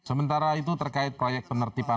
sementara itu terkait proyek penertipan lahan